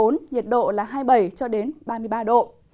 nhiệt độ là hai mươi bảy cho đến ba mươi ba độ